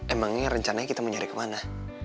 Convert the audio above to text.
emangnya rencananya kita mau nyari kemana